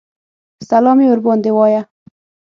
سلام یې ورباندې وایه.